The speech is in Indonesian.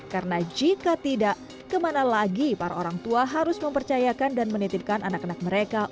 karena jika tidak kemana lagi para orang tua harus mempercayakan dan menitipkan anak anak mereka